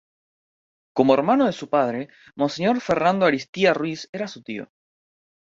Como hermano de su padre, monseñor Fernando Ariztía Ruiz era su tío.